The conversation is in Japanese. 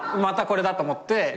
またこれだと思って。